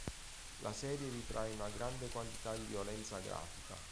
La serie ritrae una grande quantità di violenza grafica.